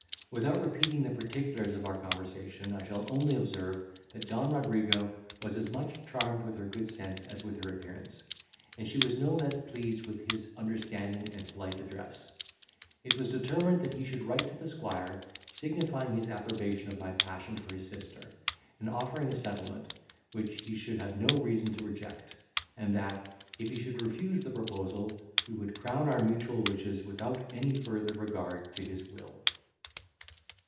Without repeating the particulars of our conversation, I shall only observe, that Don Rodrigo was as much charmed with her good sense as with her appearance, and she was no less pleased with his understanding and polite address. It was determined that he should write to the squire, signifying his approbation of my passion for his sister, and offering a settlement, which he should have no reason to reject; and that, if he should refuse the proposal, we would crown our mutual wishes without any further regard to his will.